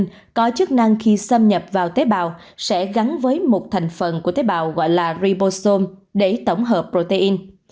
các loại vaccine có chức năng khi xâm nhập vào tế bào sẽ gắn với một thành phần của tế bào gọi là ribosome để tổng hợp protein